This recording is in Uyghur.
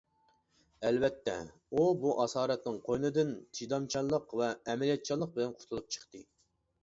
ئەلۋەتتە، ئۇ بۇ ئاسارەتنىڭ قوينىدىن، چىدامچانلىق ۋە ئەمەلىيەتچانلىق بىلەن قۇتۇلۇپ چىقتى.